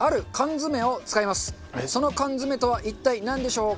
その缶詰とは一体なんでしょうか？